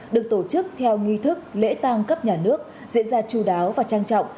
được tổ chức theo nghi thức lễ tang cấp nhà nước diễn ra chú đáo và trang trọng